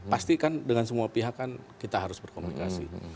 pasti kan dengan semua pihak kan kita harus berkomunikasi